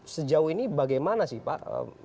sejauh ini bagaimana sih pak